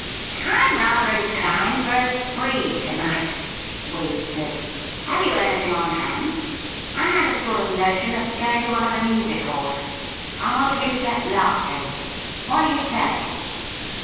' I'm rather inclined for a spree to night,' Waley said. ' Have you anything on hand ? I had a sort of notion of o oing to one of the music halls. I want to be set laughing. AV hat do you say